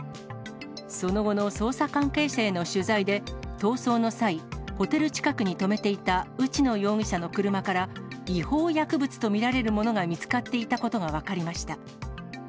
その後の捜査関係者への取材で、逃走の際、ホテル近くに止めていた内野容疑者の車から、違法薬物と見られるものが見つかっていたことが分かりました。